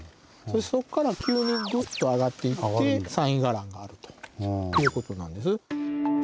そこから急にグッと上がっていって西院伽藍があるということなんです。